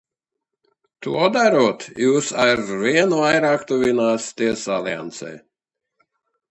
To darot, jūs arvien vairāk tuvināties Aliansei.